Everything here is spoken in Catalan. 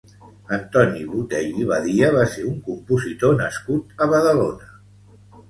Antoni Botey i Badia va ser un compositor nascut a Badalona.